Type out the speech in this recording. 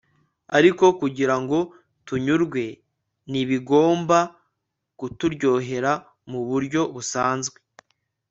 ariko kugira ngo tunyurwe n'ibigomba kuturyohera mu buryo busanzwe